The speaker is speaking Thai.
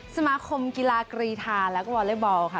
สมาคมกีฬากรีธาแล้วก็วอเล็กบอลค่ะ